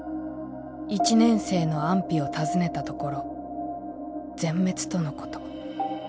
１年生の安否を尋ねたところ全滅とのこと。